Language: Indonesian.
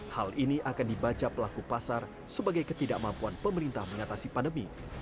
hal ini akan dibaca pelaku pasar sebagai ketidakmampuan pemerintah mengatasi pandemi